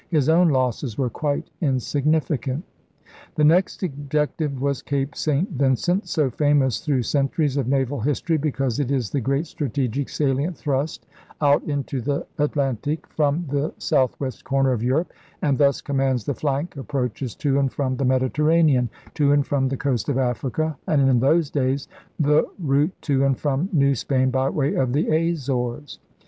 His own losses were quite insignificant. The next objective was Cape St. Vincent, so famous through centuries of naval history because it is the great strategic salient thrust out into the Atlantic from the southwest corner of Europe, and thus commands the flank approaches to and from the Mediterranean, to and from the coast of Africa, and, in those days, the route to and from New Spain by way of the Azores.